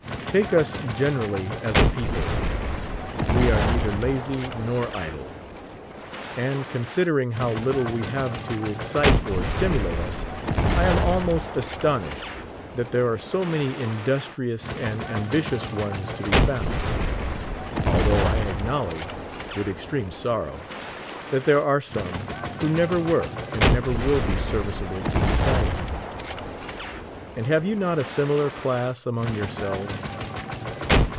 Take us generally as a peo ple, we are neither lazy nor idle ; and considering how little we have to excite or stimulate us, I am almost as tonished that there are so many industrious and ambi tious ones to be found : although I acknowledge, with extreme sorrow, that there are some who never were and never will be serviceable to society. And have you not a similar class among yourselves?